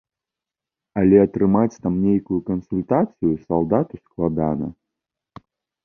Але атрымаць там нейкую кансультацыю салдату складана.